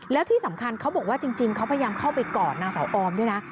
แล้วที่สำคัญเขาบอกว่าจริงเขาพยายามเข้าไปกอดนางสาวออมด้วยนะ